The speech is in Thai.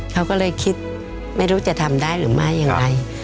เขาก็เลยคิดไม่รู้จะทำได้หรือไม่อย่างไร